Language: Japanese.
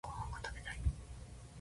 ご飯が食べたい